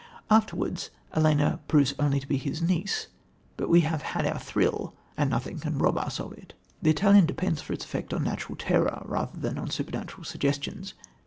Afterwards, Ellena proves only to be his niece, but we have had our thrill and nothing can rob us of it. The Italian depends for its effect on natural terror, rather than on supernatural suggestions.